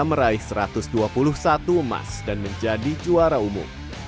meraih satu ratus dua puluh satu emas dan menjadi juara umum